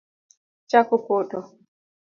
Chak opoto